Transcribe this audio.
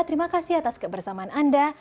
terima kasih atas kebersamaan anda